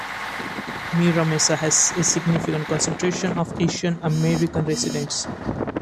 Mira Mesa has a significant concentration of Asian-American residents.